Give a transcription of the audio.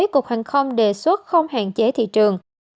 cục hàng không đề xuất không hạn chế thị trường